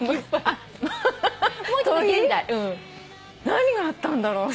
何があったんだろう。